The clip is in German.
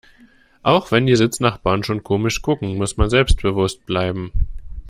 Auch wenn die Sitznachbarn schon komisch gucken, muss man selbstbewusst bleiben.